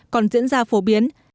còn diễn ra phổ biến